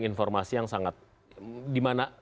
informasi yang sangat di mana